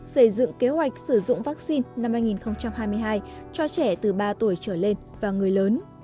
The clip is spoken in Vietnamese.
xây dựng kế hoạch sử dụng vaccine năm hai nghìn hai mươi hai cho trẻ từ ba tuổi trở lên và người lớn